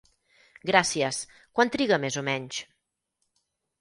Gràcies, quant triga més o menys?